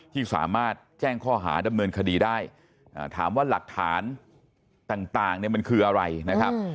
ที่สามารถแจ้งข้อหาดำเนินคดีได้ถามว่าหลักฐานต่างเนี่ยมันคืออะไรนะครับ